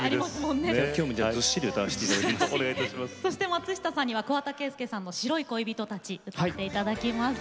松下さんには桑田佳祐さんの「白い恋人達」を歌っていただきます。